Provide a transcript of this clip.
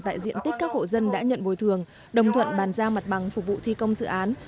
tại diện tích các hộ dân đã nhận bồi thường đồng thuận bàn giao mặt bằng phục vụ thi công dự án